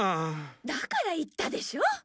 だから言ったでしょ！